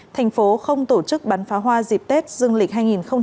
thành phố không tổ chức bán phá hoa dịp tết dương lịch hai nghìn hai mươi ba